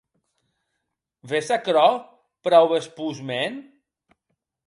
Ves aquerò, praube espós mèn?